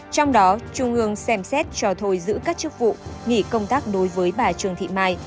trong đó trung ương xem xét cho thôi giữ các chức vụ nghỉ công tác đối với bà trương thị mai